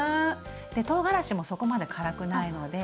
でとうがらしもそこまで辛くないので。